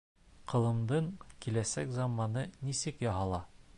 Ҡылымдың киләсәк заманы нисек яһала?